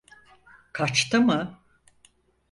Kaçtı mı?